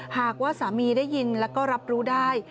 หากว่าสามีได้ยินแล้วก็รับรู้ได้